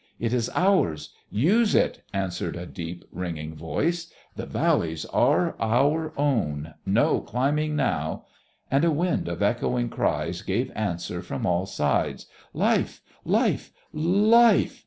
"It is ours. Use it!" answered a deep, ringing voice. "The valleys are our own. No climbing now!" And a wind of echoing cries gave answer from all sides. "Life! Life! Life!